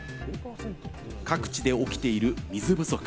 各地で起きている水不足。